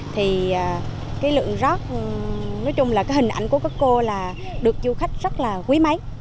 thì cái lượng rác nói chung là cái hình ảnh của các cô là được du khách rất là quý mến